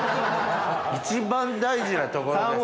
一番大事なところで。